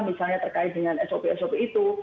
misalnya terkait dengan sop sop itu